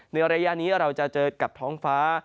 ในระยะนี้เราจะเจอกับท้องฟ้า